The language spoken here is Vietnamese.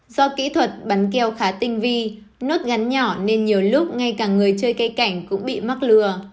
do kỹ thuật bắn keo khá tinh vi nốt gắn nhỏ nên nhiều lúc ngay cả người chơi cây cảnh cũng bị mắc lừa